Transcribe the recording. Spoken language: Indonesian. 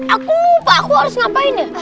aku lupa aku harus ngapain ya